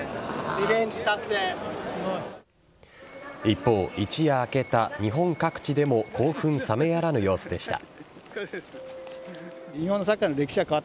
一方、一夜明けた日本各地でも興奮冷めやらぬ様子でした。